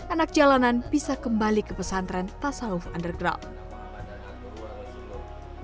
anak jalanan bisa kembali ke pesantren tasawuf underground